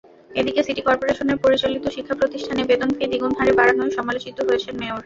এদিকে city corporation পরিচালিত শিক্ষাপ্রতিষ্ঠানে বেতন-ফি দ্বিগুণ হারে বাড়ানোয় সমালোচিত হয়েছেন মেয়র।